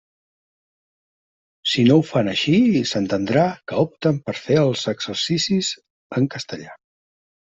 Si no ho fan així, s'entendrà que opten per fer els exercicis en castellà.